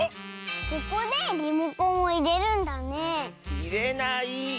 ここでリモコンをいれるんだねいれない！